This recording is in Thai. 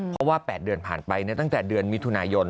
เพราะว่า๘เดือนผ่านไปตั้งแต่เดือนมิถุนายน